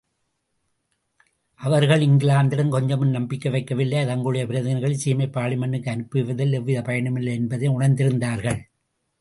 அவர்கள் இங்கிலாந்திடம் கொஞ்சமும் நம்பிக்கை வைக்கவில்லை தங்களுடைய பிரதிநிதிகளைச் சீமைப் பார்லிமென்டுக்கு அனுப்புவதில் எவ்வித பயனுமில்லை என்பதை உணர்ந்திருந்தார்கள்.